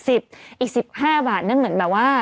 อีก๑๕บาทนั่นเหมือนแบบว่า